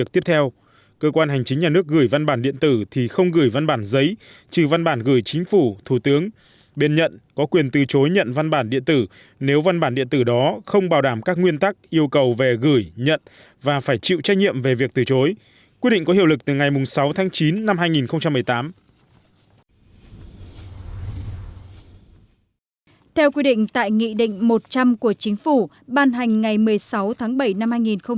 theo quy định tại nghị định một trăm linh của chính phủ ban hành ngày một mươi sáu tháng bảy năm hai nghìn một mươi tám